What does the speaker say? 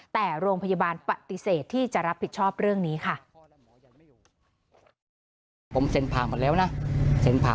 แต่โรงพยาบาลปฏิเสธที่จะรับผิดชอบเรื่องนี้ค่ะ